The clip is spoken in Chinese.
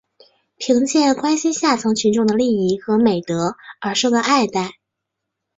凭借关心下层群众的利益和美德而受到爱戴。